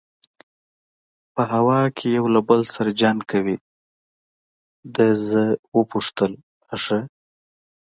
په هواره کې یو له بل سره جنګ کوي، ده زه وپوښتل: آ ښه.